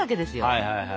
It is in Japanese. はいはいはい。